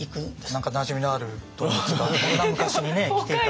何かなじみのある動物がそんな昔にね来ていたとは。